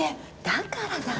だからだ。